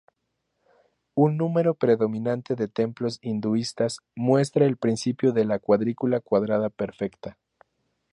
Un número predominante de templos hinduistas muestra el principio de la cuadrícula cuadrada perfecta.